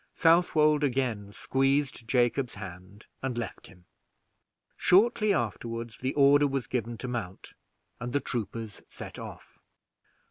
Southwold again squeezed Jacob's hand, and left him. Shortly afterward the order was given to mount, and the troopers set off.